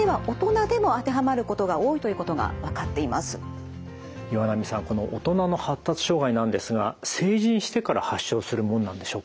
かつて岩波さんこの大人の発達障害なんですが成人してから発症するもんなんでしょうか？